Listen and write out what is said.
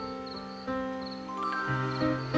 ini adalah makanan yang kita miliki